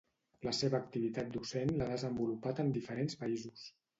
La seva activitat docent l'ha desenvolupat en diferents països.